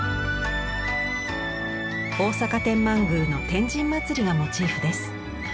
大阪天満宮の天神祭がモチーフです。